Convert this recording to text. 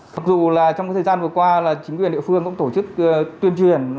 mặc dù trong thời gian vừa qua chính quyền địa phương cũng tổ chức tuyên truyền